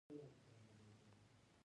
د صادراتو زیاتوالی اقتصاد پیاوړی کوي.